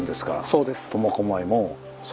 そうです。